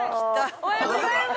◆おはようございます。